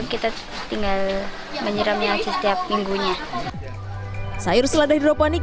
kita tinggal menyeramnya setiap minggunya sayur seladah hidroponik